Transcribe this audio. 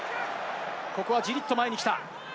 ここはじりっと前に来た。